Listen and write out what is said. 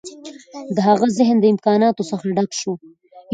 د هغه ذهن د امکاناتو څخه ډک شو